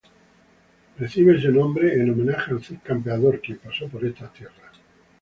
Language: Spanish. Recibe este nombre en homenaje al Cid Campeador, quien pasó por estas tierras.